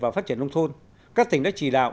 và phát triển nông thôn các tỉnh đã chỉ đạo